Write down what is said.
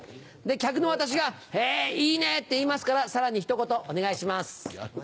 客の私が「へぇいいね」って言いますからさらにひと言お願いします。